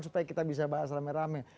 supaya kita bisa bahas rame rame